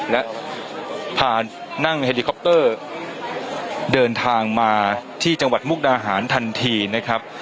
และพานั่งเฮลิคอปเตอร์เดินทางมาที่จังหวัดมุกดาหารทันทีนะครับ